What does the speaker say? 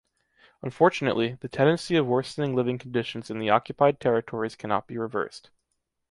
Unfortunately, the tendency of worsening living conditions in the occupied territories cannot be reversed.